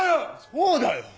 そうだよ！